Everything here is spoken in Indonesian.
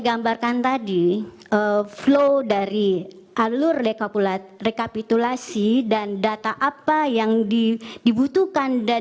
gambarkan tadi flow dari alur rekapitulasi dan data apa yang dibutuhkan dan